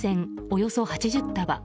およそ８０束